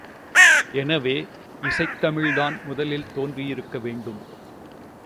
எனவே, இசைத் தமிழ்தான் முதலில் தோன்றியிருக்க வேண்டும்.